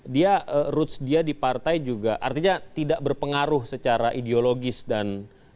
dia roots dia di partai juga artinya tidak berpengaruh secara ideologis dan